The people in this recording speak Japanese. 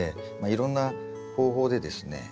いろんな方法でですね